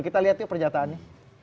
kita lihat tuh pernyataannya